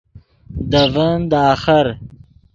دے ڤین دے آخر